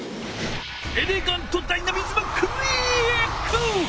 エレガントダイナミズムクリック！